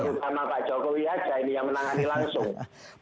terutama pak jokowi aja ini yang menangani langsung